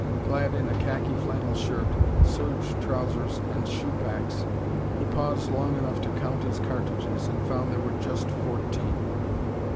Clad in a khaki flannel shirt, serge trousers and shoepacks, he paused long enough to count his cartridges, and found there were just fourteen.